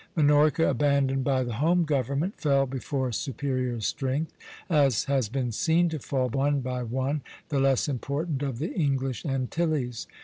Minorca, abandoned by the home government, fell before superior strength, as has been seen to fall, one by one, the less important of the English Antilles.